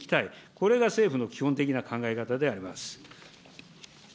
これが政府の基本的な考え方であります。